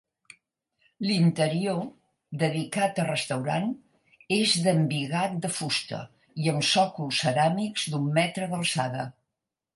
L'interior, dedicat a restaurant, és d'embigat de fusta i amb sòcols ceràmics d'un metre d'alçada.